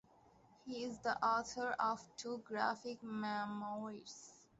He is the author of two graphic memoirs.